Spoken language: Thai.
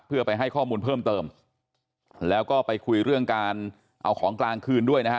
เพื่อไปให้ข้อมูลเพิ่มเติมแล้วก็ไปคุยเรื่องการเอาของกลางคืนด้วยนะฮะ